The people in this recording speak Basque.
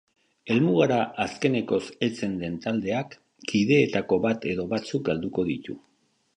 Helmugara azkenekoz heltzen den taldeak kideetako bat edo batzuk galduko ditu.